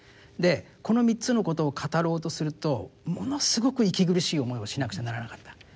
この３つのことを語ろうとするとものすごく息苦しい思いをしなくちゃならなかった。